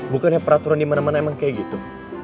bukannya peraturan dimana mana emang kayak gitu